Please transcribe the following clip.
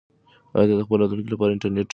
آیا ته د خپل راتلونکي لپاره انټرنیټ کاروې؟